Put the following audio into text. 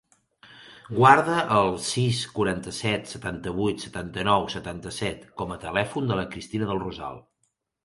Guarda el sis, quaranta-set, setanta-vuit, setanta-nou, setanta-set com a telèfon de la Cristina Del Rosal.